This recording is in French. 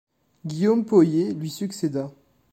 Guillaume Poyet lui succéda.